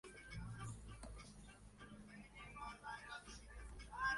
Se trata del valor de los capitales propios según los valores de reposición actualizados.